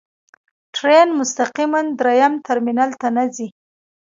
ټرین مستقیماً درېیم ټرمینل ته نه ځي.